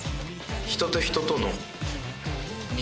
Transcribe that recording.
人と人との。